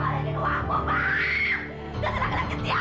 tadi kita berangkat sama ibu bang